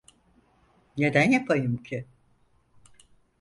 Neden yapayım ki?